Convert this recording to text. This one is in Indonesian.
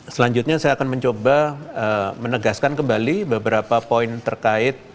selanjutnya saya akan mencoba menegaskan kembali beberapa poin terkait